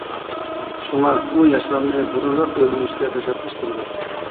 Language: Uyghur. شۇڭا ئۇ ياشلارنى بۇرۇنراق ئۆيلىنىشكە تەشەببۇس قىلىدۇ.